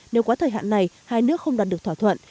nếu quá thời hạn này hai nước không đạt được thỏa thuận